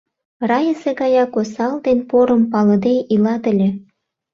— Райысе гаяк осал ден порым палыде илат ыле!